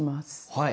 はい。